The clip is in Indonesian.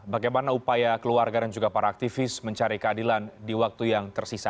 bagaimana upaya keluarga dan juga para aktivis mencari keadilan di waktu yang tersisa